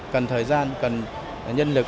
cần thời gian cần nhân lực